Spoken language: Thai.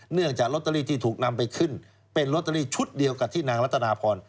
เนื่องจากลอตเตอรี่ที่ถูกนำไปขึ้นเป็นลอตเตอรี่ชุดเดียวกับที่นางรัตนาพร